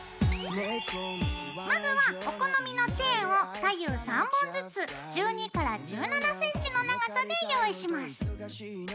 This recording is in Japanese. まずはお好みのチェーンを左右３本ずつ１２１７ｃｍの長さで用意します。